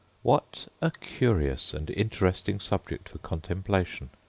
What a curious and interesting subject for contemplation!